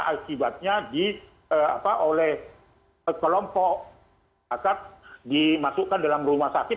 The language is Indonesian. akibatnya oleh kelompok akad dimasukkan dalam rumah sakit